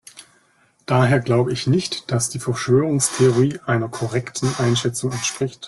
Daher glaube ich nicht, dass die Verschwörungstheorie einer korrekten Einschätzung entspricht.